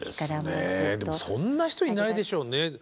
そんな人いないでしょうね。